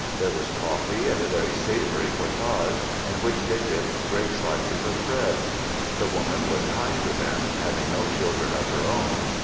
There was coffee and a very savoury pottage in which they dipped great slices of bread. The woman was kind to them, having no children of her own.